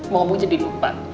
mau ngomong jadi lupa